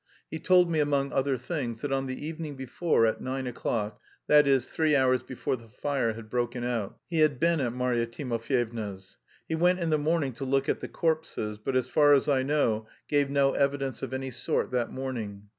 He told me among other things that on the evening before at nine o'clock (that is, three hours before the fire had broken out) he had been at Marya Timofyevna's. He went in the morning to look at the corpses, but as far as I know gave no evidence of any sort that morning.